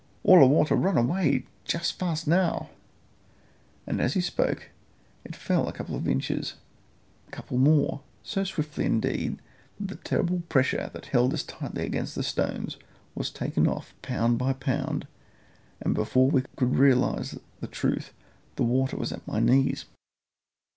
"All a water run away, juss fass now," and as he spoke it fell a couple of inches, then a couple more, so swiftly, indeed, that the terrible pressure that held us tightly against the stones was taken off pound by pound, and before we could realise the truth the water was at my knees.